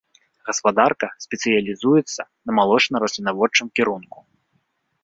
Гаспадарка спецыялізуецца на малочна-раслінаводчым кірунку.